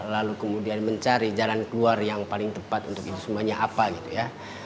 lalu kemudian mencari jalan keluar yang paling tepat untuk itu semuanya apa gitu ya